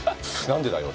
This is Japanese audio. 何でだよ。